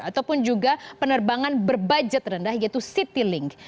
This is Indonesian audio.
ataupun juga penerbangan berbudget rendah yaitu citylink